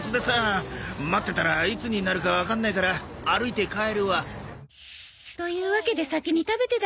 待ってたらいつになるかわかんないから歩いて帰るわ。というわけで先に食べてだって。